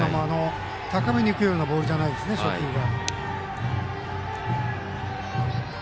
高めに浮くようなボールじゃないですよね、初球が。